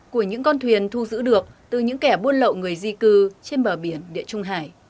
của những con thuyền thu giữ được từ những kẻ buôn lậu người di cư trên bờ biển địa trung hải